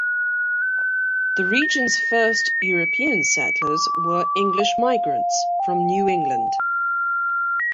The region's first European settlers were English migrants from New England.